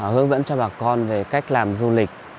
hướng dẫn cho bà con về cách làm du lịch